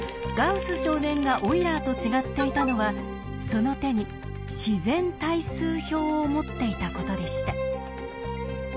少年がオイラーと違っていたのはその手に「自然対数表」を持っていたことでした。